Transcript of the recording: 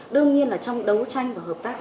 đương nhiên là trong đấu tranh và hợp tác